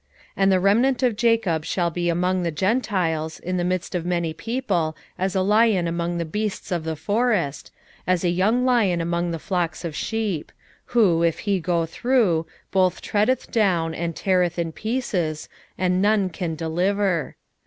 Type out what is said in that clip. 5:8 And the remnant of Jacob shall be among the Gentiles in the midst of many people as a lion among the beasts of the forest, as a young lion among the flocks of sheep: who, if he go through, both treadeth down, and teareth in pieces, and none can deliver.